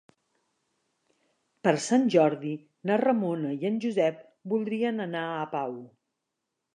Per Sant Jordi na Ramona i en Josep voldrien anar a Pau.